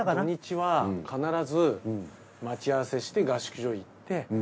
土日は必ず待ち合わせして合宿所行って。